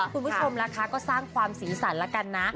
คุณผู้ชมราคาก็สร้างความสีสรรแล้วกันนะ